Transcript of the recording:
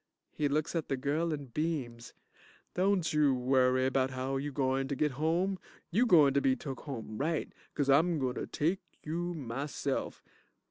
(He looks at the girl and beams.) Don't you worry bout how you gointer git home. You gointer be took home right, 'cause I'm gointer take you myself.